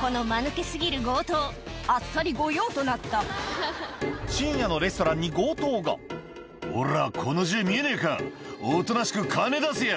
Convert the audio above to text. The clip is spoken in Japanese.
このマヌケ過ぎる強盗あっさり御用となった深夜のレストランに強盗が「おらこの銃見えねえかおとなしく金出せや」